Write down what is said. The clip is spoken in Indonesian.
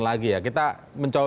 lagi ya kita mencoba